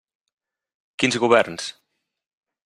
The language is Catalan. Quins governs?